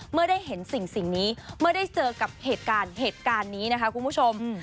เมื่อได้เห็นสิ่งนี้เมื่อได้เจอกับเหตุการณ์เหตุการณ์นี้นะคะคุณผู้ชม